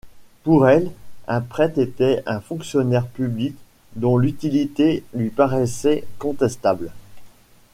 Pour elle, un prêtre était un fonctionnaire public dont l’utilité lui paraissait contestable.